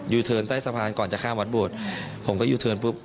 เทินใต้สะพานก่อนจะข้ามวัดโบสถ์ผมก็ยูเทิร์นปุ๊บ